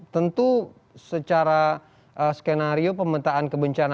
tentu secara skenario pemetaan kebencanaan